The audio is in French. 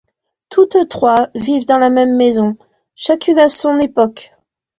Toutes trois vivent dans la même maison, chacune à son époque.